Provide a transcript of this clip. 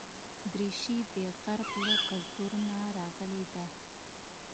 دریشي د غرب له کلتور نه راغلې ده.